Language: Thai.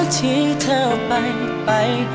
ชี้เธอไปไป